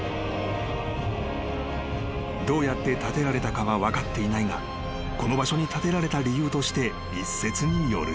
［どうやって建てられたかは分かっていないがこの場所に建てられた理由として一説によると］